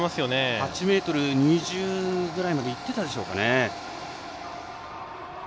８ｍ２０ぐらいいっていたでしょうね。